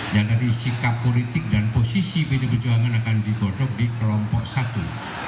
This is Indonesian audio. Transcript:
yang dari sikap politik dan posisi bd perjuangan akan digodok di kelompok satu